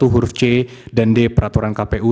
huruf c dan d peraturan kpu